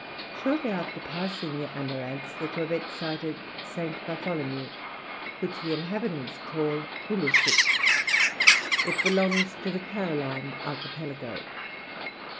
Shortly after passing the Amirantes, the corvette sighted St. Bartholomew, which the inhabitants call Poulousouk. It belongs to the Caroline archipelago.